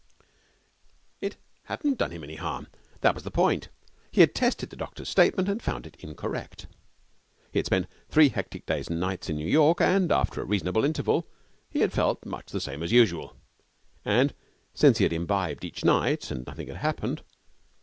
It hadn't done him any harm, that was the point. He had tested the doctor's statement and found it incorrect. He had spent three hectic days and nights in New York, and after a reasonable interval had felt much the same as usual. And since then he had imbibed each night, and nothing had happened.